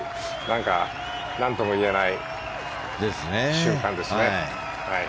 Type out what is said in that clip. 何か何とも言えない瞬間ですね。